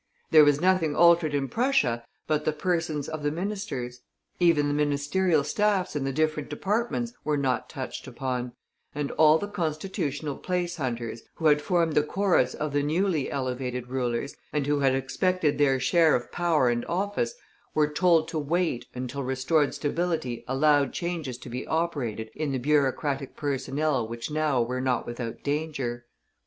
There was nothing altered in Prussia but the persons of the ministers; even the ministerial staffs in the different departments were not touched upon, and all the constitutional place hunters, who had formed the chorus of the newly elevated rulers, and who had expected their share of power and office, were told to wait until restored stability allowed changes to be operated in the bureaucratic personnel which now were not without danger.